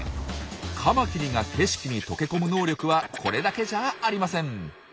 カマキリが景色に溶け込む能力はこれだけじゃありません。